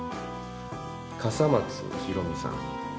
笠松ひろみさん。